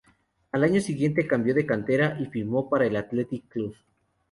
Al año siguiente, cambió de cantera y firmó por el Athletic Club.